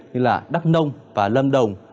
như là đắk nông và lâm đồng